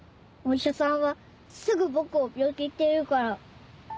お医者さんはすぐ僕を病気って言うから。